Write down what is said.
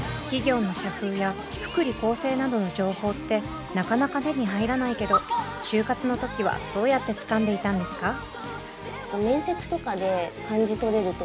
企業の社風や福利厚生などの情報ってなかなか手に入らないけど就活の時はどうやってつかんでいたんですか？